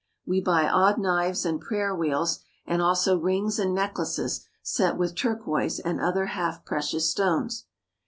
We buy odd knives and prayer wheels, and also rings and necklaces set with turquoise and other half precious stones.